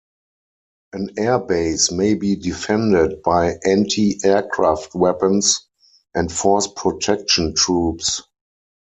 An air base may be defended by anti-aircraft weapons and force protection troops.